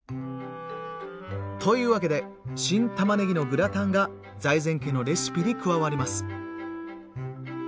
というわけで「新たまねぎのグラタン」が財前家のレシピに加わります。